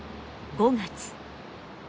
５月。